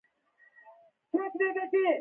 ددې څخه بل هیڅ ارزښتمن څه نشته.